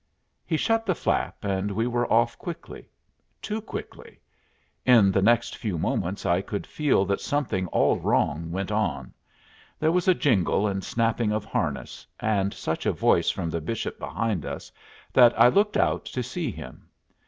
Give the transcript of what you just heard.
He shut the flap, and we were off quickly too quickly. In the next few moments I could feel that something all wrong went on; there was a jingle and snapping of harness, and such a voice from the Bishop behind us that I looked out to see him.